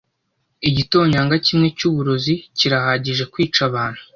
Igitonyanga kimwe cyuburozi kirahagije kwica abantu.